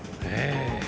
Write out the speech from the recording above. へえ。